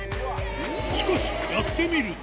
しかし、やってみると。